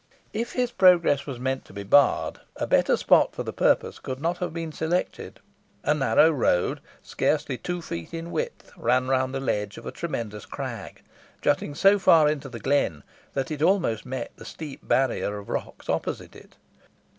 If his progress was meant to be barred, a better spot for the purpose could not have been selected. A narrow road, scarcely two feet in width, ran round the ledge of a tremendous crag, jutting so far into the glen that it almost met the steep barrier of rocks opposite it.